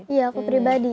iya aku pribadi